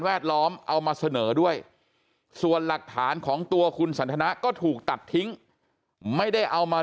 ล้อมเอามาเสนอด้วยส่วนหลักฐานของตัวคุณสันทนาก็ถูกตัดทิ้งไม่ได้เอามา